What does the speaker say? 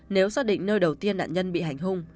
nếu xác định nơi đầu tiên nạn nhân bị hành hung